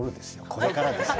これからですよ。